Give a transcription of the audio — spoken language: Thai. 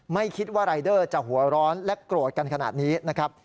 ไม่คิดว่ารายเดอร์จะหัวร้อนและโกรธกันขนาดนี้นะครับ